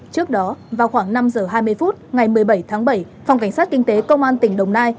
trước đó vào khoảng năm h hai mươi phút ngày một mươi bảy tháng bảy phòng cảnh sát kinh tế công an tỉnh đồng nai